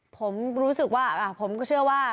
ผมรู้สึกว่าผมก็เชื่อว่า